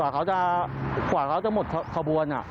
กว่าเขาจะหมดขบวน